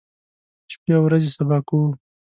شپې او ورځې سبا کوو.